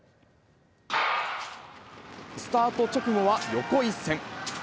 スタート直後は横一線。